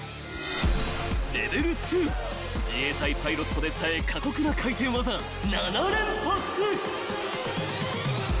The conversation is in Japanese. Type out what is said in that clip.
［レベル２自衛隊パイロットでさえ過酷な回転技７連発］